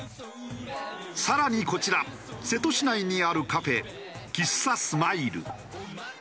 さらにこちら瀬戸市内にあるカフェ喫茶スマイル。